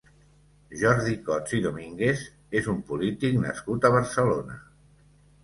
Jordi Cots i Domínguez és un polític nascut a Barcelona.